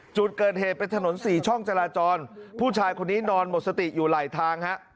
จุดเกิดเหตุเป็นถนนสี่ช่องจราจรผู้ชายคนนี้นอนหมดสติอยู่ไหลทางฮะ